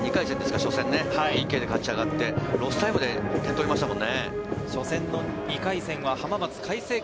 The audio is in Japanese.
初戦ね、ＰＫで勝ち上がってロスタイムで点を取りましたからね。